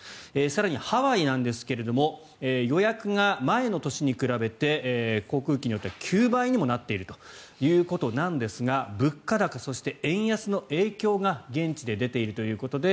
更に、ハワイなんですが予約が前の年に比べて航空機によっては９倍にもなっているということなんですが物価高、そして円安の影響が現地で出ているということで